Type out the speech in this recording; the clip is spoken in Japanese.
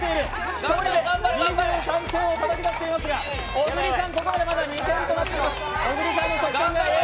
１人で２３点をたたき出してますが小栗さん、ここまでまだ２点となっています。